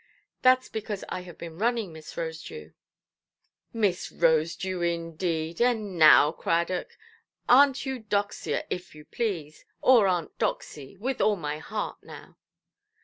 "Thatʼs because I have been running, Miss Rosedew". "Miss Rosedew, indeed; and now, Cradock! Aunt Eudoxia, if you please, or Aunt Doxy, with all my heart, now".